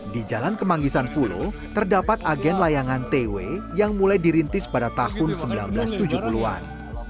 di jalan kemanggisan pulo terdapat agen layangan tw yang mulai dirintis pada tahun seribu sembilan ratus tujuh puluh an